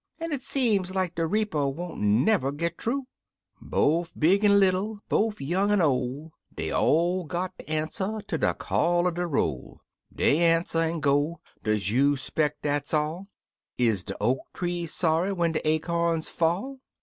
An' it seem like de reaper won't never git thoo; Bofe big an' little, bofe young an' ol', Dey all got ter answer ter de call er de roll ; Dey answer an' go. Does you speck dat's all ? Is de oak tree sorry when de acorns fall